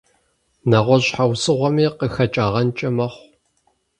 НэгъуэщӀ щхьэусыгъуэми къыхэкӀагъэнкӀэ мэхъу.